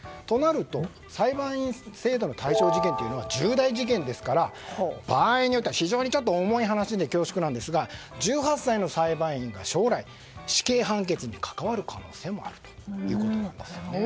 そうなると、裁判員制度の対象事件は重大事件ですから場合によっては非常に重い話で恐縮ですが１８歳の裁判員が将来、死刑判決に関わる可能性もあるということです。